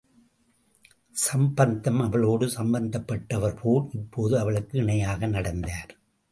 சம்பந்தம், அவளோடு சமபந்தப்பட்டவர்போல், இப்போது அவளுக்கு இணையாக நடந்தார்.